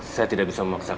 saya tidak bisa memaksakan